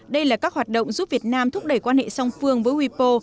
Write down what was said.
đây là các hoạt động giúp việt nam thúc đẩy quan hệ song phương với wipo